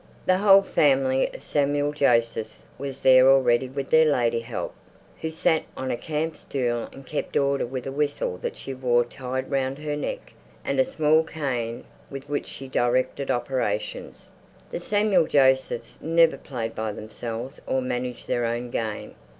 The whole family of Samuel Josephs was there already with their lady help, who sat on a camp stool and kept order with a whistle that she wore tied round her neck, and a small cane with which she directed operations. The Samuel Josephs never played by themselves or managed their own game.